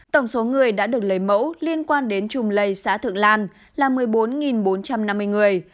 tổng số người đã được lấy mẫu liên quan đến chùm lây xã thượng lan là một mươi bốn bốn trăm năm mươi người